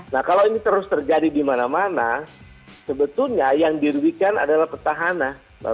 nah kalau ini terus terjadi dimana mana sebetulnya yang dirubikan adalah petahana